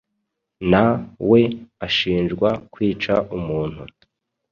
na we ashinjwa kwica umuntu